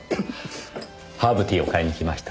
ハーブティーを買いに来ました。